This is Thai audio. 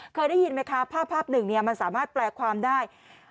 เคยได้ยินไหมคะภาพหนึ่งมันสามารถแปลความได้